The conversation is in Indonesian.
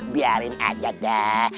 biarin aja dah